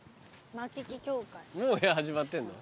もう始まってんの？